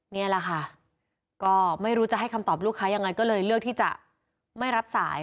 นี่แหละค่ะก็ไม่รู้จะให้คำตอบลูกค้ายังไงก็เลยเลือกที่จะไม่รับสาย